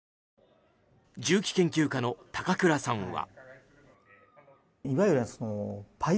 銃器研究家の高倉さんは。